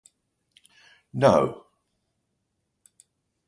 It is the county seat of Houston County.